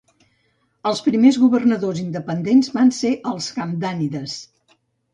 Els primers governadors independents van ser els hamdànides.